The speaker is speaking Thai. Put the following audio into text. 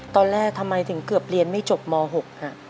ทำไมถึงเกือบเรียนไม่จบม๖ฮะ